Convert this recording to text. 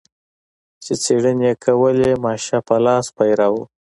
چې څېړنې یې کولې ماشه په لاس پیره و.